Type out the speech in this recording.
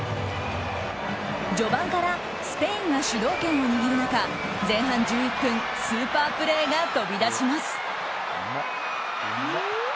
序盤からスペインが主導権を握る中前半１１分スーパープレーが飛び出します。